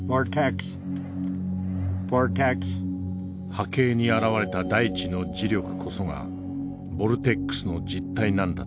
波形に表れた大地の磁力こそがボルテックスの実体なんだとか。